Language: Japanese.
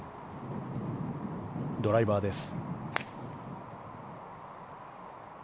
ドライバーです。